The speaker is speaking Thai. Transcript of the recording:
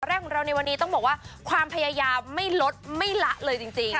แรกของเราในวันนี้ต้องบอกว่าความพยายามไม่ลดไม่ละเลยจริง